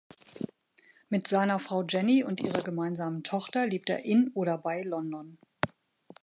Mit seiner Frau Jenny und ihrer gemeinsamen Tochter lebt er in oder bei London.